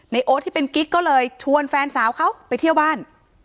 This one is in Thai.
โอ๊ตที่เป็นกิ๊กก็เลยชวนแฟนสาวเขาไปเที่ยวบ้าน